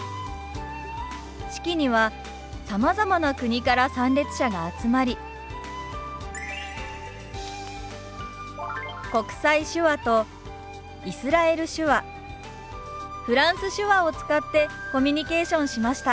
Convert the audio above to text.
式にはさまざまな国から参列者が集まり国際手話とイスラエル手話フランス手話を使ってコミュニケーションしました。